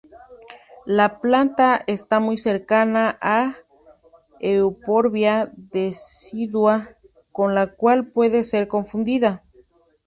La planta está muy cercana a "Euphorbia decidua" con la cual puede ser confundida.